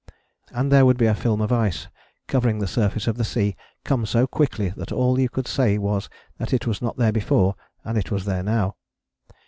And there would be a film of ice, covering the surface of the sea, come so quickly that all you could say was that it was not there before and it was there now.